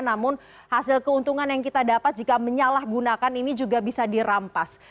namun hasil keuntungan yang kita dapat jika menyalahgunakan ini juga bisa dirampas